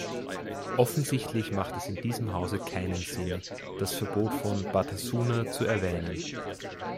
Offensichtlich macht es in diesem Hause keinen Sinn, das Verbot von Batasuna zu erwähnen.